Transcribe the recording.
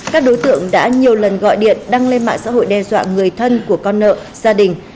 các đối tượng đã nhiều lần gọi điện đăng lên mạng xã hội đe dọa người thân của con nợ gia đình